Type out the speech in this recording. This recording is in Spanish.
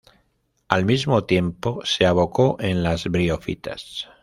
Al mismo tiempo, se abocó en las briófitas.